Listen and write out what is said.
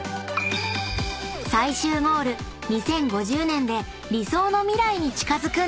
［最終ゴール２０５０年で理想の未来に近づくんです］